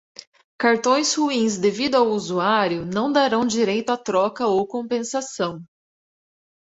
Cartões ruins devido ao usuário não darão direito a troca ou compensação.